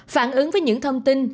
phản ứng với những thông tin